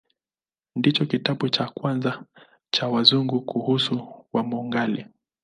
Ndicho kitabu cha kwanza cha Wazungu kuhusu Wamongolia.